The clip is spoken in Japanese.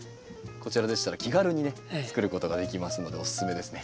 こちらでしたら気軽につくることができますのでおすすめですね。